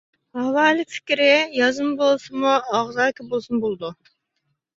ھاۋالە پىكرى يازما بولسىمۇ، ئاغزاكى بولسىمۇ بولىدۇ.